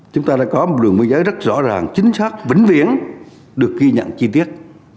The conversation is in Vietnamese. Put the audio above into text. chúng ta đã có một đường biên giới rất rõ ràng chính xác vĩnh viễn được ghi nhận chi tiết